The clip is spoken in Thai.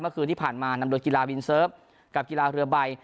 เมื่อคืนที่ผ่านมานำโดยกีฬาวินเซิร์ฟกับกีฬาเรือใบ